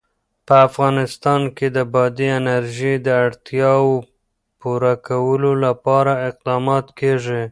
په افغانستان کې د بادي انرژي د اړتیاوو پوره کولو لپاره اقدامات کېږي.